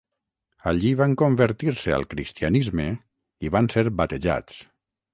Allí van convertir-se al cristianisme i van ser batejats.